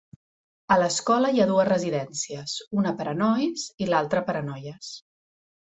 A l'escola hi ha dues residències, una per a nois i l'altra per a noies.